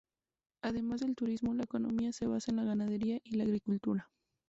Además del turismo, la economía se basa en la ganadería y la agricultura.